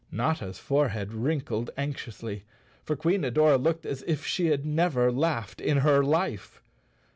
Notta's forehead wrinkled anxiously, for Queen Adora looked as if she had never laughed in her life.